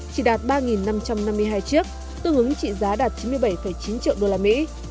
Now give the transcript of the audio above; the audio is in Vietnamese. chỉ đạt ba năm trăm năm mươi hai chiếc tương ứng trị giá đạt chín mươi bảy chín triệu đô la mỹ